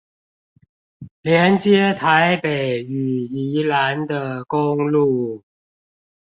連接臺北與宜蘭的公路